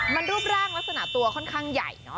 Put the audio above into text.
มันรูปร่างลักษณะตัวค่อนข้างใหญ่เนอะ